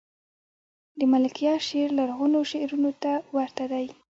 دملکیار شعر لرغونو شعرونو ته ورته دﺉ.